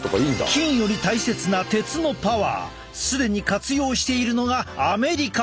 金より大切な鉄のパワー既に活用しているのがアメリカ！